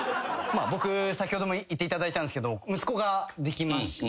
僕先ほども言っていただいたんですけど息子ができまして。